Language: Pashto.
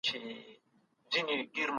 يووړله بېرته دا ډبره ، و ووت